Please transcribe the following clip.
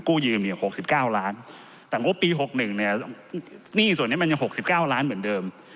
ยืมเนี่ย๖๙ล้านแต่งบปี๖๑เนี่ยหนี้ส่วนนี้มันยัง๖๙ล้านเหมือนเดิม